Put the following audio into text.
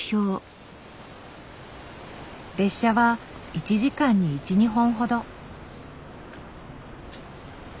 列車は１時間に１２本ほど。